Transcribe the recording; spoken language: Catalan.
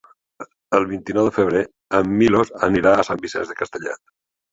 El vint-i-nou de febrer en Milos anirà a Sant Vicenç de Castellet.